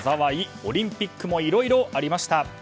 オリンピックもいろいろありました。